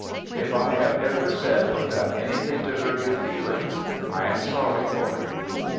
If I have ever said or done anything to hurt your feelings, I am sorry for it."